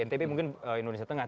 ntb mungkin indonesia tengah